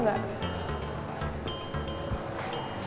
gak ada apa apa